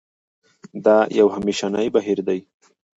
دا یو همېشنی بهیر دی.